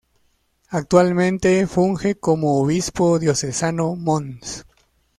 Actualmente, funge como obispo diocesano Mons.